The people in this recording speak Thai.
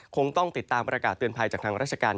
คงต้องติดตามบริการเตือนภายอาจารย์จากทางราชการ